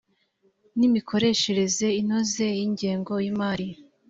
n imikoreshereze inoze y ingengo y imari